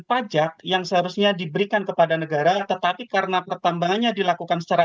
pajak yang seharusnya diberikan kepada negara tetapi karena pertambangannya dilakukan secara